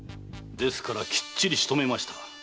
ですからきっちりしとめました。